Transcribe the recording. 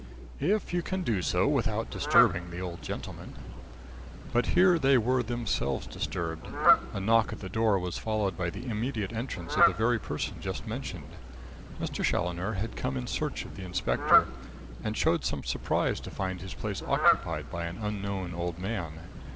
"If you can do so without disturbing the old gentleman." But here they were themselves disturbed. A knock at the door was followed by the immediate entrance of the very person just mentioned. Mr. Challoner had come in search of the inspector, and showed some surprise to find his place occupied by an unknown old man.